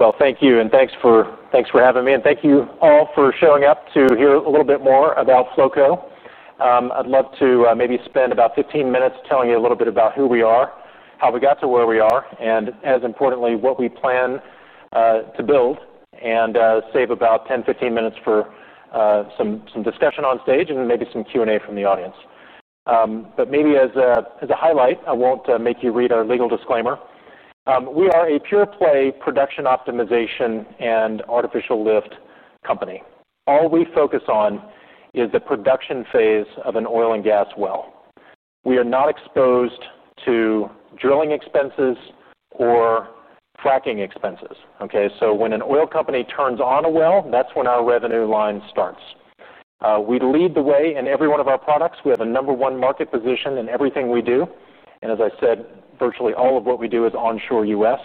Well, thank you, and thanks for having me, and thank you all for showing up to hear a little bit more about Flowco. I'd love to maybe spend about 15 minutes telling you a little bit about who we are, how we got to where we are, and as importantly, what we plan to build, and save about 10, 15 minutes for some discussion on stage and maybe some Q&A from the audience. But maybe as a highlight, I won't make you read our legal disclaimer. We are a pure play production optimization and artificial lift company. All we focus on is the production phase of an oil and gas well. We are not exposed to drilling expenses or fracking expenses, okay? So when an oil company turns on a well, that's when our revenue line starts. We lead the way in every one of our products. We have a number one market position in everything we do, and as I said, virtually all of what we do is onshore U.S.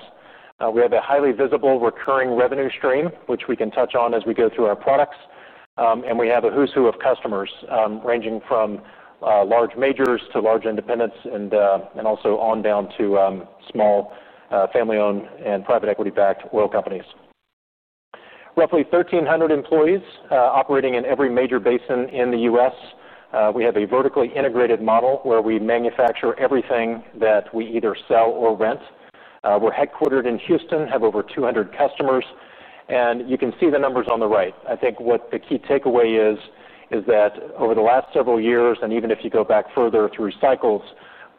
We have a highly visible recurring revenue stream, which we can touch on as we go through our products, and we have a who's who of customers, ranging from large majors to large independents and also on down to small family-owned and private equity-backed oil companies. Roughly 1,300 employees, operating in every major basin in the U.S. We have a vertically integrated model, where we manufacture everything that we either sell or rent. We're headquartered in Houston, have over 200 customers, and you can see the numbers on the right. I think what the key takeaway is that over the last several years, and even if you go back further through cycles,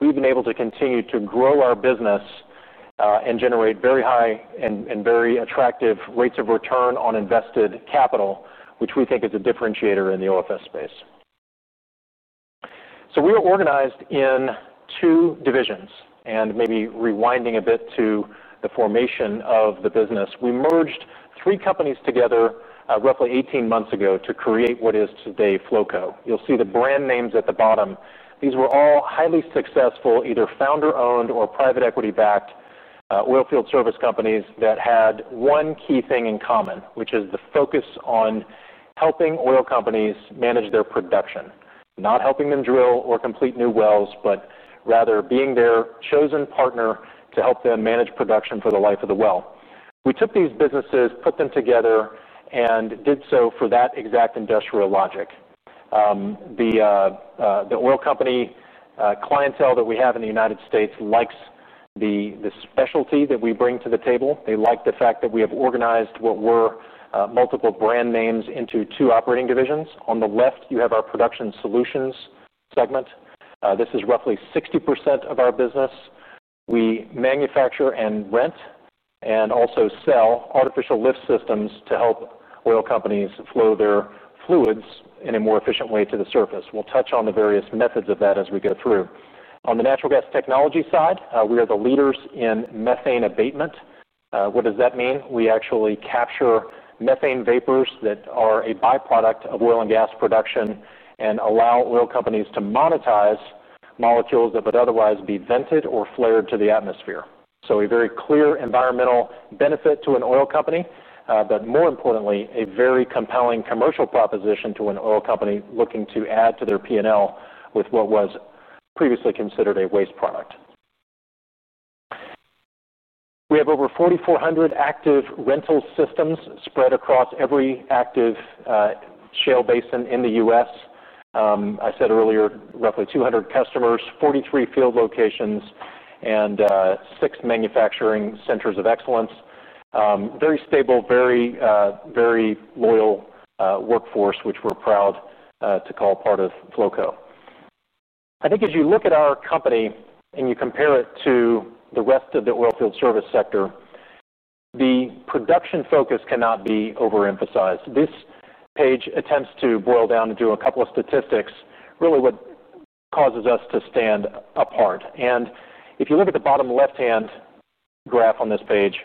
we've been able to continue to grow our business, and generate very high and very attractive rates of return on invested capital, which we think is a differentiator in the OFS space, so we are organized in two divisions, and maybe rewinding a bit to the formation of the business. We merged three companies together, roughly eighteen months ago, to create what is today Flowco. You'll see the brand names at the bottom. These were all highly successful, either founder-owned or private equity-backed, oil field service companies that had one key thing in common, which is the focus on helping oil companies manage their production. Not helping them drill or complete new wells, but rather being their chosen partner to help them manage production for the life of the well. We took these businesses, put them together, and did so for that exact industrial logic. The oil company clientele that we have in the United States likes the specialty that we bring to the table. They like the fact that we have organized what were multiple brand names into two operating divisions. On the left, you have our Production Solutions segment. This is roughly 60% of our business. We manufacture and rent, and also sell artificial lift systems to help oil companies flow their fluids in a more efficient way to the surface. We'll touch on the various methods of that as we go through. On the natural gas technology side, we are the leaders in methane abatement. What does that mean? We actually capture methane vapors that are a byproduct of oil and gas production and allow oil companies to monetize molecules that would otherwise be vented or flared to the atmosphere, so a very clear environmental benefit to an oil company, but more importantly, a very compelling commercial proposition to an oil company looking to add to their P&L with what was previously considered a waste product. We have over 4,400 active rental systems spread across every active shale basin in the U.S. I said earlier, roughly 200 customers, 43 field locations, and six manufacturing centers of excellence. Very stable, very loyal workforce, which we're proud to call part of Flowco. I think as you look at our company and you compare it to the rest of the oilfield service sector, the production focus cannot be overemphasized. This page attempts to boil down into a couple of statistics, really what causes us to stand apart. And if you look at the bottom left-hand graph on this page,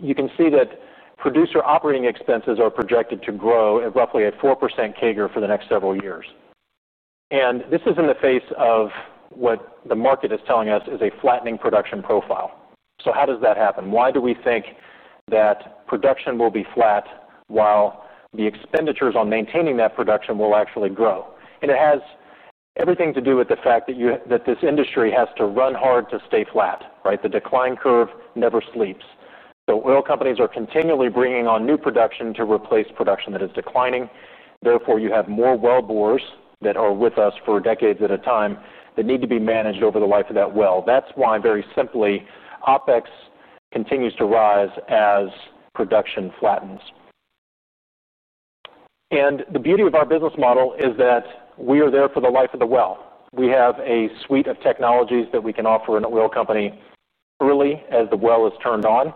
you can see that producer operating expenses are projected to grow at roughly a 4% CAGR for the next several years. And this is in the face of what the market is telling us is a flattening production profile. So how does that happen? Why do we think that production will be flat, while the expenditures on maintaining that production will actually grow? It has everything to do with the fact that this industry has to run hard to stay flat, right? The decline curve never sleeps. Oil companies are continually bringing on new production to replace production that is declining. Therefore, you have more wellbores that are with us for decades at a time, that need to be managed over the life of that well. That's why, very simply, OpEx continues to rise as production flattens. The beauty of our business model is that we are there for the life of the well. We have a suite of technologies that we can offer an oil company early, as the well is turned on.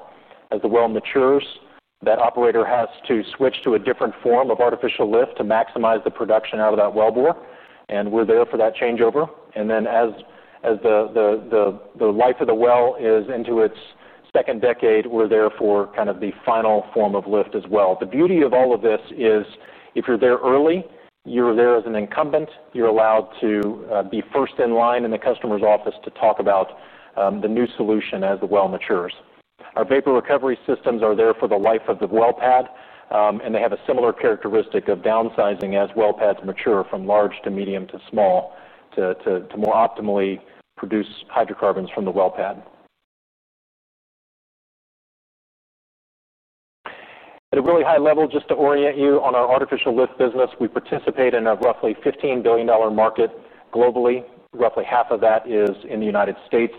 As the well matures, that operator has to switch to a different form of artificial lift to maximize the production out of that wellbore, and we're there for that changeover. As the life of the well is into its second decade, we're there for kind of the final form of lift as well. The beauty of all of this is, if you're there early, you're there as an incumbent, you're allowed to be first in line in the customer's office to talk about the new solution as the well matures. Our vapor recovery systems are there for the life of the well pad, and they have a similar characteristic of downsizing as well pads mature from large to medium to small, to more optimally produce hydrocarbons from the well pad. At a really high level, just to orient you on our artificial lift business, we participate in a roughly $15 billion market globally. Roughly half of that is in the United States,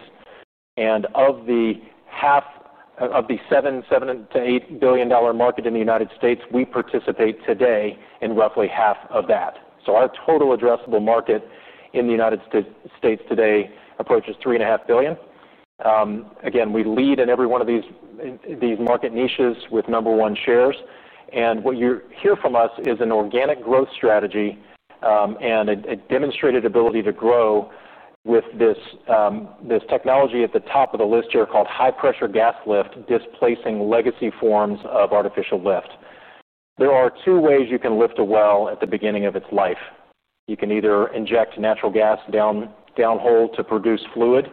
and of the half of the $7 billion-$8 billion market in the United States, we participate today in roughly half of that. So our total addressable market in the United States today approaches $3.5 billion. Again, we lead in every one of these market niches with number one shares. And what you hear from us is an organic growth strategy, and a demonstrated ability to grow with this technology at the top of the list here, called high-pressure gas lift, displacing legacy forms of artificial lift. There are two ways you can lift a well at the beginning of its life: you can either inject natural gas downhole to produce fluid,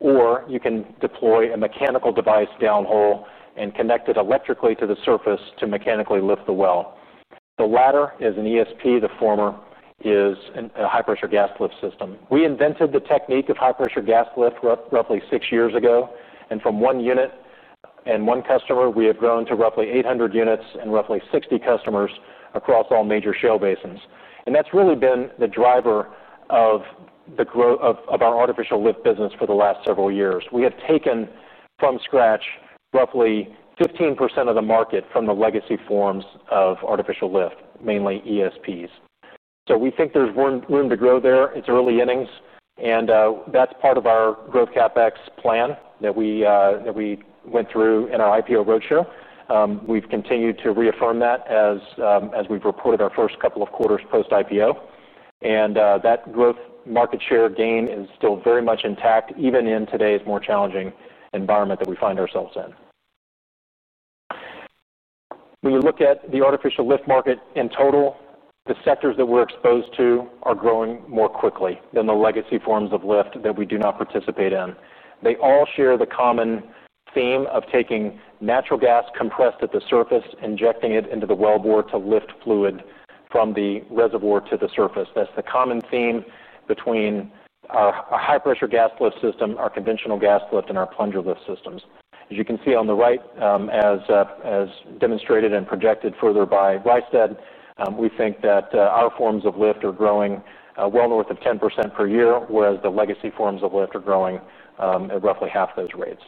or you can deploy a mechanical device downhole and connect it electrically to the surface to mechanically lift the well. The latter is an ESP, the former is a high-pressure gas lift system. We invented the technique of high-pressure gas lift roughly six years ago, and from one unit and one customer, we have grown to roughly 800 units and roughly 60 customers across all major shale basins. That's really been the driver of the growth of our artificial lift business for the last several years. We have taken, from scratch, roughly 15% of the market from the legacy forms of artificial lift, mainly ESPs. So we think there's room to grow there. It's early innings, and that's part of our growth CapEx plan that we went through in our IPO roadshow. We've continued to reaffirm that as we've reported our first couple of quarters post-IPO. That growth market share gain is still very much intact, even in today's more challenging environment that we find ourselves in. When you look at the artificial lift market in total, the sectors that we're exposed to are growing more quickly than the legacy forms of lift that we do not participate in. They all share the common theme of taking natural gas compressed at the surface, injecting it into the wellbore to lift fluid from the reservoir to the surface. That's the common theme between our high-pressure gas lift system, our conventional gas lift, and our plunger lift systems. As you can see on the right, as demonstrated and projected further by Rystad, we think that our forms of lift are growing well north of 10% per year, whereas the legacy forms of lift are growing at roughly half those rates.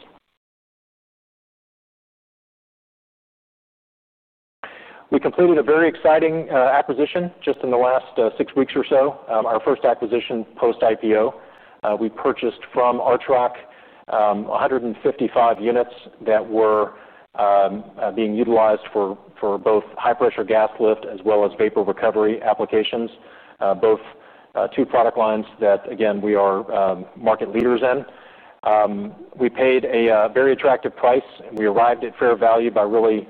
We completed a very exciting acquisition just in the last six weeks or so, our first acquisition post-IPO. We purchased from Archrock a hundred and fifty-five units that were being utilized for both high-pressure gas lift as well as vapor recovery applications, both two product lines that, again, we are market leaders in. We paid a very attractive price, and we arrived at fair value by really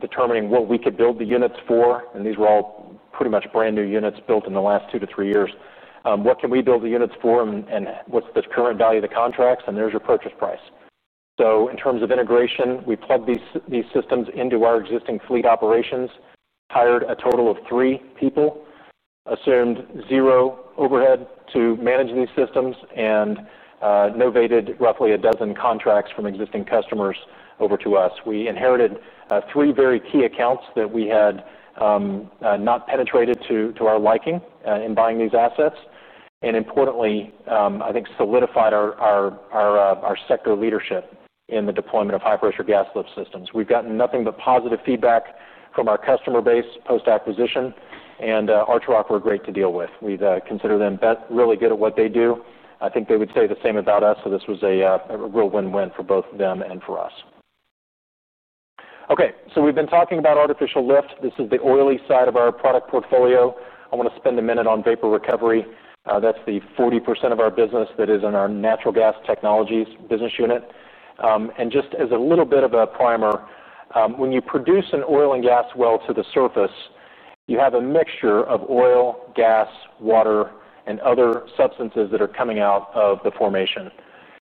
determining what we could build the units for, and these were all pretty much brand-new units built in the last two to three years. What can we build the units for, and what's the current value of the contracts? And there's your purchase price. So in terms of integration, we plugged these systems into our existing fleet operations, hired a total of three people, assumed zero overhead to manage these systems, and novated roughly a dozen contracts from existing customers over to us. We inherited three very key accounts that we had not penetrated to our liking in buying these assets, and importantly, I think solidified our sector leadership in the deployment of high-pressure gas lift systems. We've gotten nothing but positive feedback from our customer base post-acquisition, and Archrock were great to deal with. We consider them really good at what they do. I think they would say the same about us, so this was a real win-win for both them and for us. Okay, so we've been talking about artificial lift. This is the oily side of our product portfolio. I want to spend a minute on vapor recovery. That's the 40% of our business that is in our Natural Gas Technologies business unit. And just as a little bit of a primer, when you produce an oil and gas well to the surface, you have a mixture of oil, gas, water, and other substances that are coming out of the formation.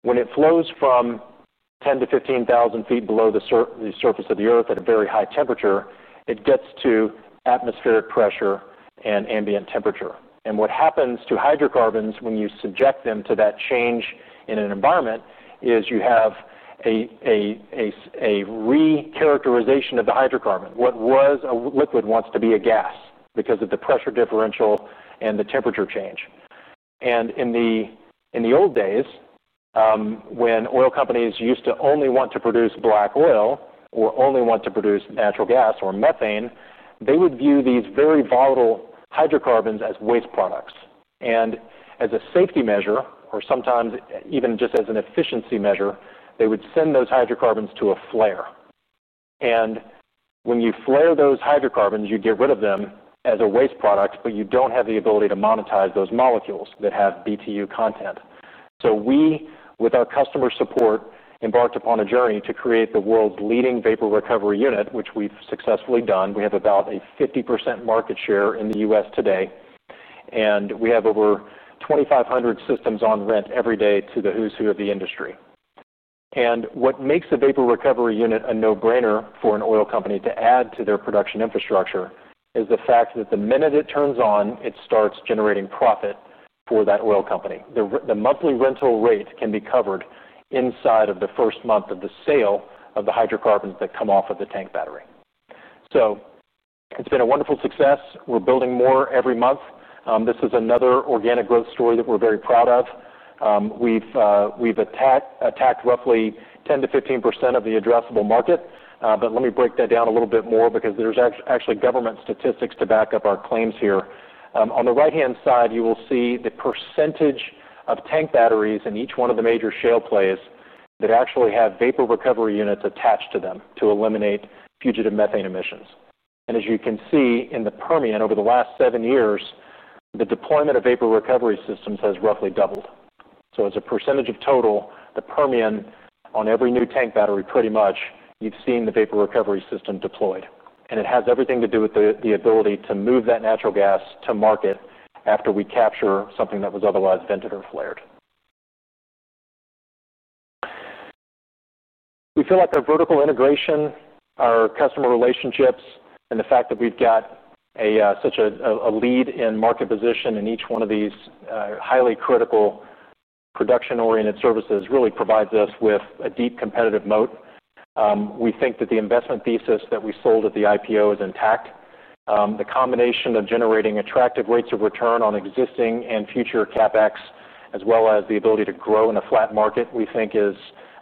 When it flows from 10-15 thousand feet below the surface of the earth at a very high temperature, it gets to atmospheric pressure and ambient temperature. What happens to hydrocarbons when you subject them to that change in an environment is you have a recharacterization of the hydrocarbon. What was a liquid wants to be a gas because of the pressure differential and the temperature change. In the old days, when oil companies used to only want to produce black oil or only want to produce natural gas or methane, they would view these very volatile hydrocarbons as waste products. As a safety measure, or sometimes even just as an efficiency measure, they would send those hydrocarbons to a flare. When you flare those hydrocarbons, you get rid of them as a waste product, but you don't have the ability to monetize those molecules that have BTU content. We, with our customer support, embarked upon a journey to create the world's leading vapor recovery unit, which we've successfully done. We have about a 50% market share in the U.S. today, and we have over 2,500 systems on rent every day to the who's who of the industry. And what makes a vapor recovery unit a no-brainer for an oil company to add to their production infrastructure is the fact that the minute it turns on, it starts generating profit for that oil company. The monthly rental rate can be covered inside of the first month of the sale of the hydrocarbons that come off of the tank battery. So it's been a wonderful success. We're building more every month. This is another organic growth story that we're very proud of. We've attacked roughly 10%-15% of the addressable market. But let me break that down a little bit more because there's actually government statistics to back up our claims here. On the right-hand side, you will see the percentage of tank batteries in each one of the major shale plays that actually have vapor recovery units attached to them to eliminate fugitive methane emissions. And as you can see, in the Permian, over the last seven years, the deployment of vapor recovery systems has roughly doubled. So as a percentage of total, the Permian, on every new tank battery, pretty much, you've seen the vapor recovery system deployed, and it has everything to do with the ability to move that natural gas to market after we capture something that was otherwise vented or flared. We feel like our vertical integration, our customer relationships, and the fact that we've got such a lead in market position in each one of these highly critical production-oriented services, really provides us with a deep competitive moat. We think that the investment thesis that we sold at the IPO is intact. The combination of generating attractive rates of return on existing and future CapEx, as well as the ability to grow in a flat market, we think is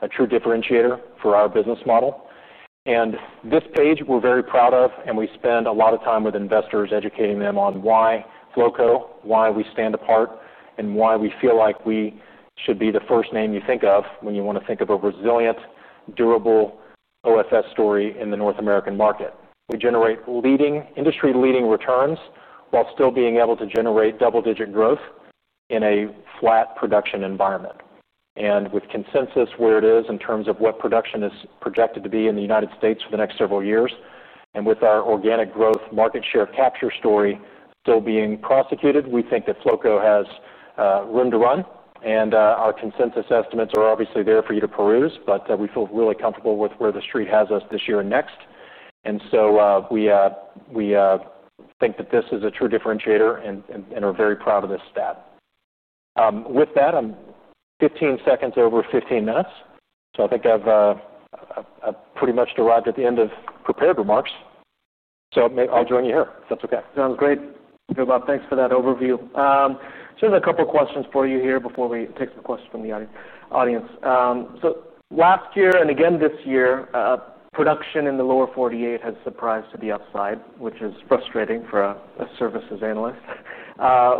a true differentiator for our business model. This page, we're very proud of, and we spend a lot of time with investors educating them on why Flowco, why we stand apart, and why we feel like we should be the first name you think of when you want to think of a resilient, durable OFS story in the North American market. We generate industry-leading returns, while still being able to generate double-digit growth in a flat production environment. With consensus where it is in terms of what production is projected to be in the United States for the next several years, and with our organic growth market share capture story still being prosecuted, we think that Flowco has room to run, and our consensus estimates are obviously there for you to peruse, but we feel really comfortable with where the Street has us this year and next. So we think that this is a true differentiator and are very proud of this stat. With that, I'm 15 seconds over 15 minutes, so I think I've pretty much arrived at the end of prepared remarks, so I'll join you here, if that's okay. Sounds great. Bob, thanks for that overview. So there's a couple questions for you here before we take some questions from the audience. So last year, and again this year, production in the Lower 48 has surprised to the upside, which is frustrating for a services analyst.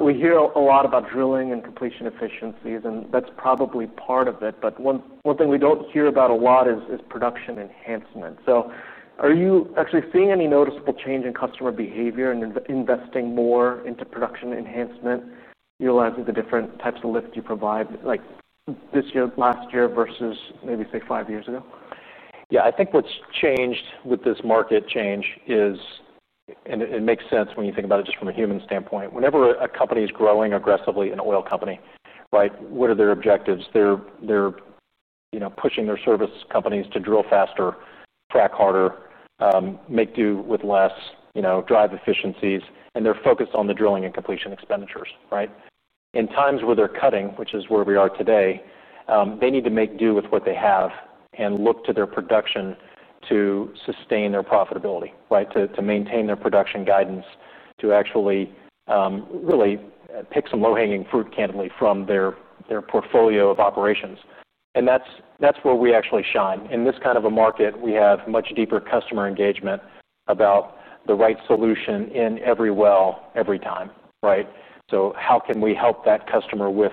We hear a lot about drilling and completion efficiencies, and that's probably part of it, but one thing we don't hear about a lot is production enhancement. So are you actually seeing any noticeable change in customer behavior and investing more into production enhancement, utilizing the different types of lifts you provide, like this year, last year, versus maybe, say, five years ago? Yeah. I think what's changed with this market change is, and it makes sense when you think about it just from a human standpoint, whenever a company is growing aggressively, an oil company, right, what are their objectives? They're you know, pushing their service companies to drill faster, frack harder, make do with less, you know, drive efficiencies, and they're focused on the drilling and completion expenditures, right? In times where they're cutting, which is where we are today, they need to make do with what they have and look to their production to sustain their profitability, right? To maintain their production guidance, to actually really pick some low-hanging fruit, candidly, from their portfolio of operations. And that's where we actually shine. In this kind of a market, we have much deeper customer engagement about the right solution in every well, every time, right? So how can we help that customer with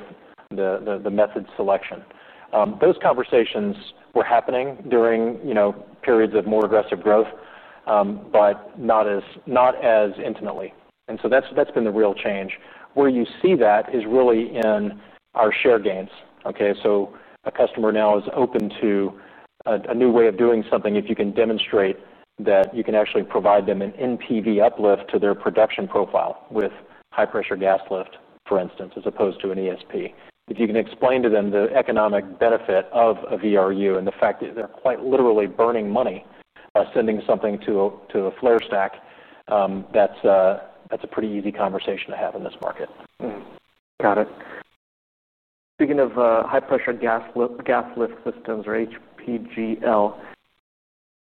the method selection? Those conversations were happening during, you know, periods of more aggressive growth, but not as intimately. And so that's been the real change. Where you see that is really in our share gains, okay? So a customer now is open to a new way of doing something, if you can demonstrate that you can actually provide them an NPV uplift to their production profile with high-pressure gas lift, for instance, as opposed to an ESP. If you can explain to them the economic benefit of a VRU and the fact that they're quite literally burning money by sending something to a flare stack, that's a pretty easy conversation to have in this market. Got it. Speaking of high-pressure gas lift, gas lift systems or HPGL,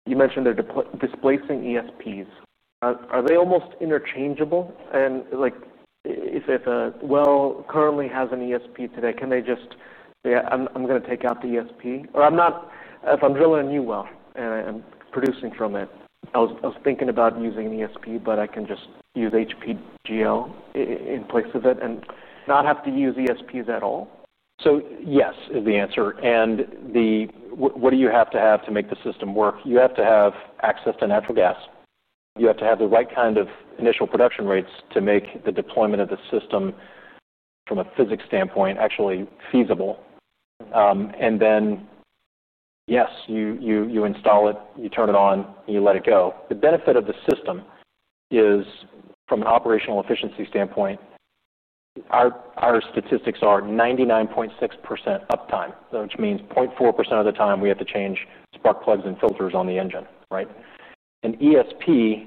you mentioned they're displacing ESPs. Are they almost interchangeable? And, like, if a well currently has an ESP today, can they just... "Yeah, I'm gonna take out the ESP"? Or I'm not-- If I'm drilling a new well and I'm producing from it, I was thinking about using an ESP, but I can just use HPGL in place of it and not have to use ESPs at all? So, yes, is the answer. What do you have to have to make the system work? You have to have access to natural gas. You have to have the right kind of initial production rates to make the deployment of the system, from a physics standpoint, actually feasible. And then, yes, you install it, you turn it on, and you let it go. The benefit of the system is, from an operational efficiency standpoint. Our statistics are 99.6% uptime, which means 0.4% of the time we have to change spark plugs and filters on the engine, right? An ESP,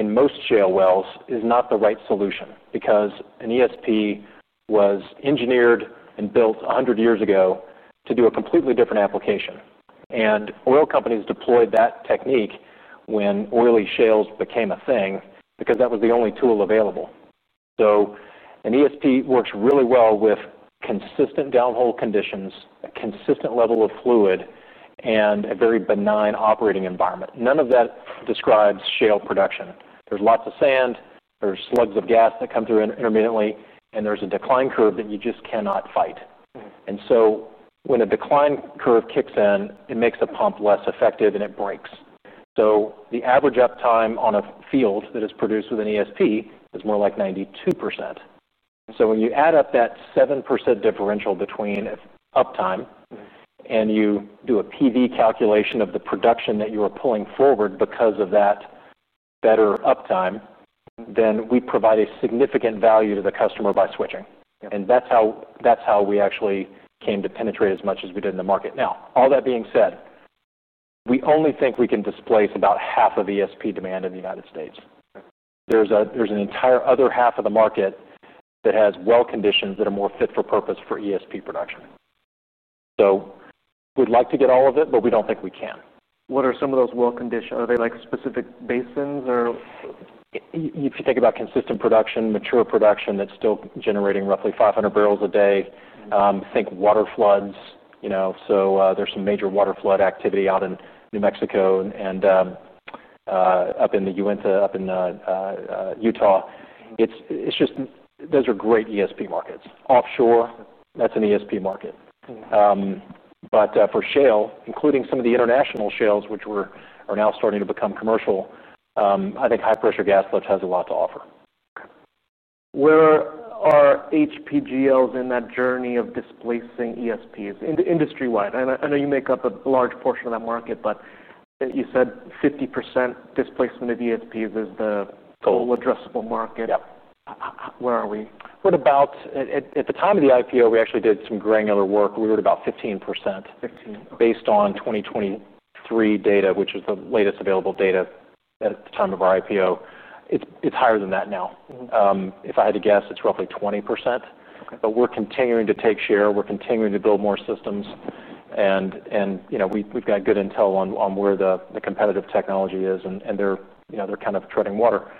in most shale wells, is not the right solution, because an ESP was engineered and built 100 years ago to do a completely different application. Oil companies deployed that technique when oily shales became a thing, because that was the only tool available. An ESP works really well with consistent downhole conditions, a consistent level of fluid, and a very benign operating environment. None of that describes shale production. There's lots of sand, there's slugs of gas that come through intermittently, and there's a decline curve that you just cannot fight. And so when a decline curve kicks in, it makes the pump less effective, and it breaks. So the average uptime on a field that is produced with an ESP is more like 92%. So when you add up that 7% differential between uptime and you do a PV calculation of the production that you are pulling forward because of that better uptime, then we provide a significant value to the customer by switching. Yep. That's how, that's how we actually came to penetrate as much as we did in the market. Now, all that being said, we only think we can displace about half of ESP demand in the United States. Okay. There's an entire other half of the market that has well conditions that are more fit for purpose for ESP production. So we'd like to get all of it, but we don't think we can. What are some of those well conditions? Are they, like, specific basins or...? You could think about consistent production, mature production that's still generating roughly 500 barrels a day. Think water floods, you know, so there's some major water flood activity out in New Mexico and up in the Uinta, up in Utah. It's just... Those are great ESP markets. Offshore, that's an ESP market. But for shale, including some of the international shales, which are now starting to become commercial, I think high-pressure gas lift has a lot to offer. Where are HPGLs in that journey of displacing ESPs, industry-wide? I know, I know you make up a large portion of that market, but you said 50% displacement of ESPs is the addressable market. Yep. Where are we? At the time of the IPO, we actually did some granular work. We were at about 15%. Fifteen, okay. Based on 2023 data, which was the latest available data at the time of our IPO. It's, it's higher than that now. If I had to guess, it's roughly 20%. Okay. But we're continuing to take share, we're continuing to build more systems, and you know, we've got good intel on where the competitive technology is, and they're, you know, kind of treading water.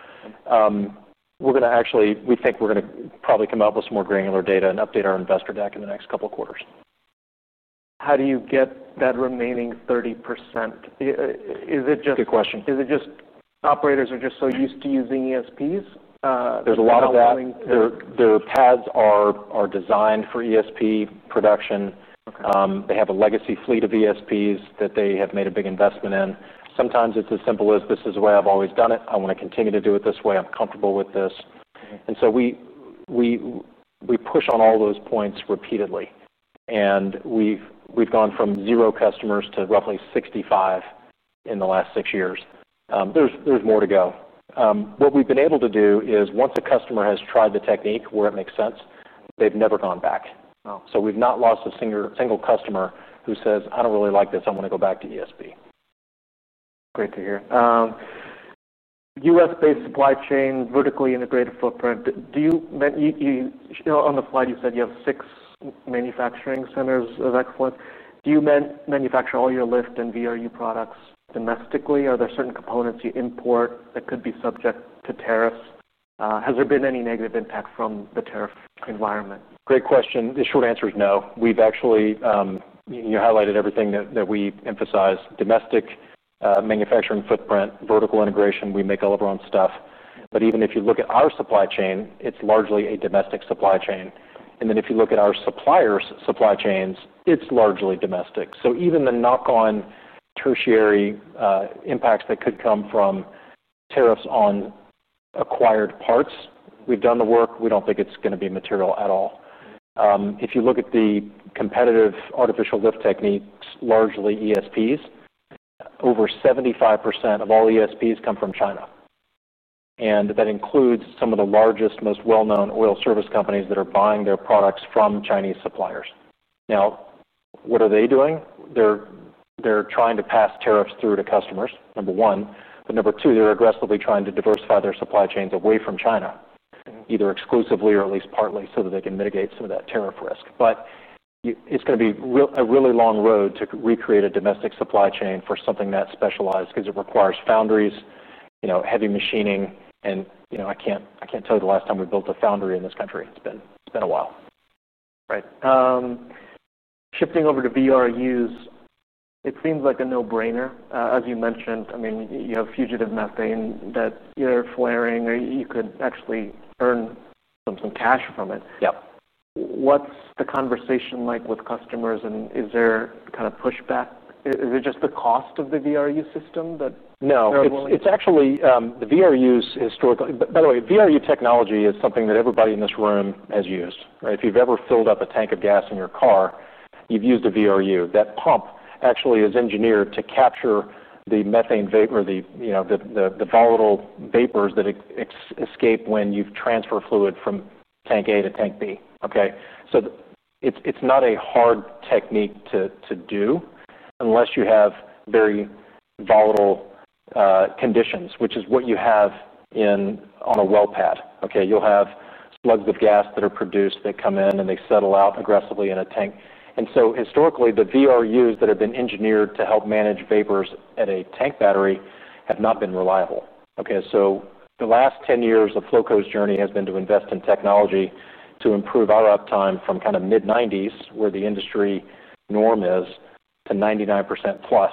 We're gonna actually, we think we're gonna probably come out with some more granular data and update our investor deck in the next couple of quarters. How do you get that remaining 30%? Is it just. Good question. Is it just operators are just so used to using ESPs? There's a lot of that. Their pads are designed for ESP production. Okay. They have a legacy fleet of ESPs that they have made a big investment in. Sometimes it's as simple as, "This is the way I've always done it. I want to continue to do it this way. I'm comfortable with this. And so we push on all those points repeatedly, and we've gone from zero customers to roughly 65 in the last six years. There's more to go. What we've been able to do is, once a customer has tried the technique where it makes sense, they've never gone back. Wow! We've not lost a single customer who says, "I don't really like this. I want to go back to ESP. Great to hear. U.S.-based supply chain, vertically integrated footprint. On the flight, you said you have six manufacturing centers of excellence. Do you manufacture all your lift and VRU products domestically, or are there certain components you import that could be subject to tariffs? Has there been any negative impact from the tariff environment? Great question. The short answer is no. We've actually, you highlighted everything that we emphasize: domestic manufacturing footprint, vertical integration, we make all of our own stuff. But even if you look at our supply chain, it's largely a domestic supply chain. And then, if you look at our suppliers' supply chains, it's largely domestic. So even the knock-on tertiary impacts that could come from tariffs on acquired parts, we've done the work, we don't think it's gonna be material at all. If you look at the competitive artificial lift techniques, largely ESPs, over 75% of all ESPs come from China, and that includes some of the largest, most well-known oil service companies that are buying their products from Chinese suppliers. Now, what are they doing? They're trying to pass tariffs through to customers, number one. But number two, they're aggressively trying to diversify their supply chains away from China, either exclusively or at least partly, so that they can mitigate some of that tariff risk. But it's gonna be a really long road to recreate a domestic supply chain for something that specialized, because it requires foundries, you know, heavy machining, and, you know, I can't tell you the last time we built a foundry in this country. It's been a while. Right. Shifting over to VRUs, it seems like a no-brainer. As you mentioned, I mean, you have fugitive methane that you're flaring, or you could actually earn some cash from it. Yep. What's the conversation like with customers, and is there kind of pushback? Is it just the cost of the VRU system that they're willing- No, it's actually the VRUs historically. By the way, VRU technology is something that everybody in this room has used, right? If you've ever filled up a tank of gas in your car, you've used a VRU. That pump actually is engineered to capture the methane vapor, the volatile vapors that escape when you transfer fluid from tank A to tank B, okay? So it's not a hard technique to do unless you have very volatile conditions, which is what you have on a well pad, okay? You'll have slugs of gas that are produced, they come in, and they settle out aggressively in a tank. And so historically, the VRUs that have been engineered to help manage vapors at a tank battery have not been reliable, okay? So the last 10 years of Flowco's journey has been to invest in technology to improve our uptime from kind of mid-90s, where the industry norm is, to 99% plus,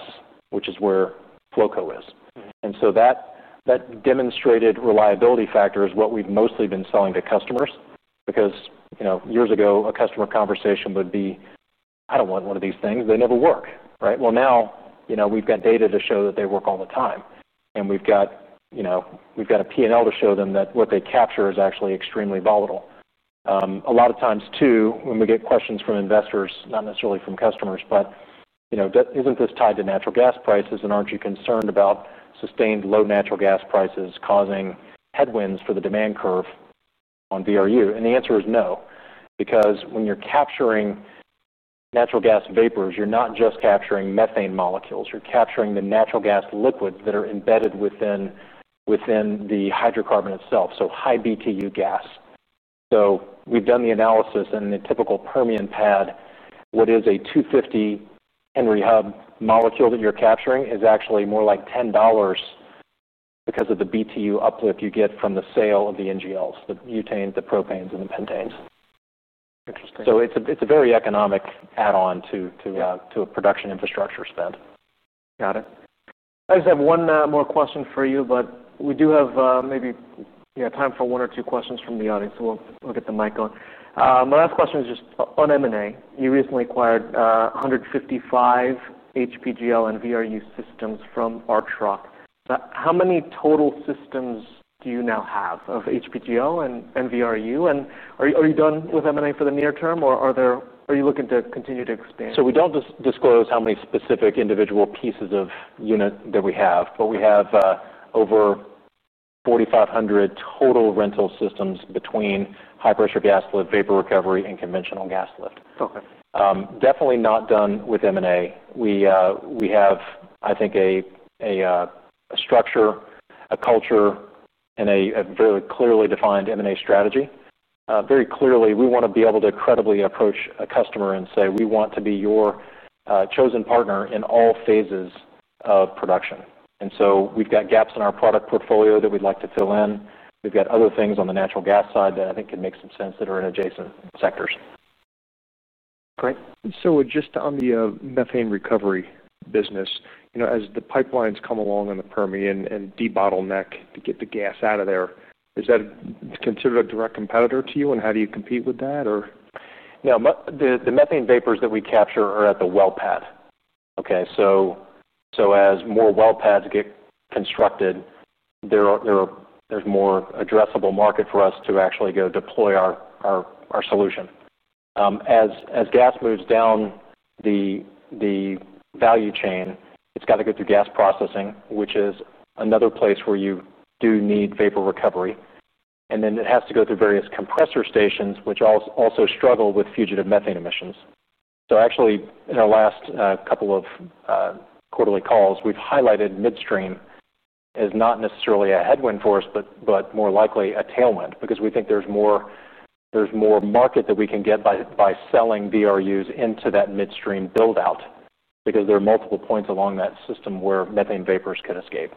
which is where Flowco is. And so that, that demonstrated reliability factor is what we've mostly been selling to customers because, you know, years ago, a customer conversation would be, "I don't want one of these things, they never work," right? Well, now, you know, we've got data to show that they work all the time, and we've got, you know, we've got a P&L to show them that what they capture is actually extremely volatile. A lot of times, too, when we get questions from investors, not necessarily from customers, but, you know, that, "Isn't this tied to natural gas prices, and aren't you concerned about sustained low natural gas prices causing headwinds for the demand curve on VRU?" and the answer is no, because when you're capturing natural gas vapors, you're not just capturing methane molecules, you're capturing the natural gas liquids that are embedded within the hydrocarbon itself, so high BTU gas. So we've done the analysis, in a typical Permian pad, what is a $2.50 Henry Hub molecule that you're capturing is actually more like $10 because of the BTU uplift you get from the sale of the NGLs, the butanes, the propanes, and the pentanes. Interesting. It's a very economic add-on to a production infrastructure spend. Got it. I just have one more question for you, but we do have maybe, yeah, time for one or two questions from the audience, so we'll get the mic on. My last question is just on M&A. You recently acquired 155 HPGL and VRU systems from Archrock. But how many total systems do you now have of HPGL and VRU, and are you done with M&A for the near term, or are you looking to continue to expand? We don't disclose how many specific individual pieces of unit that we have, but we have over forty-five hundred total rental systems between high-pressure gas lift, vapor recovery, and conventional gas lift. Okay. Definitely not done with M&A. We have, I think, a structure, a culture, and a very clearly defined M&A strategy. Very clearly, we want to be able to credibly approach a customer and say: We want to be your chosen partner in all phases of production, and so we've got gaps in our product portfolio that we'd like to fill in. We've got other things on the natural gas side that I think can make some sense that are in adjacent sectors. Great. Just on the methane recovery business, you know, as the pipelines come along in the Permian and de-bottleneck to get the gas out of there, is that considered a direct competitor to you, and how do you compete with that, or? No, the methane vapors that we capture are at the well pad, okay? So as more well pads get constructed, there's more addressable market for us to actually go deploy our solution. As gas moves down the value chain, it's got to go through gas processing, which is another place where you do need vapor recovery, and then it has to go through various compressor stations, which also struggle with fugitive methane emissions. So actually, in our last couple of quarterly calls, we've highlighted midstream as not necessarily a headwind for us, but more likely a tailwind because we think there's more market that we can get by selling VRUs into that midstream buildout because there are multiple points along that system where methane vapors can escape.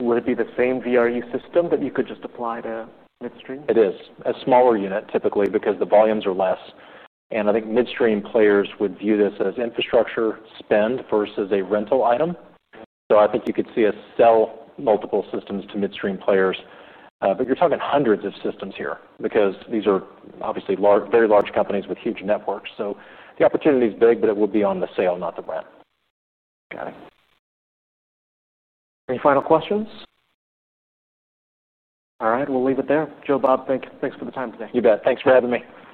Would it be the same VRU system that you could just apply to midstream? It is. A smaller unit, typically, because the volumes are less, and I think midstream players would view this as infrastructure spend versus a rental item. So I think you could see us sell multiple systems to midstream players, but you're talking hundreds of systems here because these are obviously large, very large companies with huge networks. So the opportunity is big, but it would be on the sale, not the rent. Got it. Any final questions? All right, we'll leave it there. Joe Bob, thanks for the time today. You bet. Thanks for having me. Appreciate it.